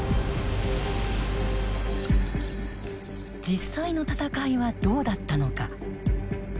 実際の戦いはどうだったのか。